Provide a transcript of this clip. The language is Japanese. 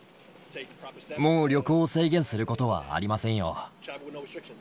もう旅行を制限することはありませんよ。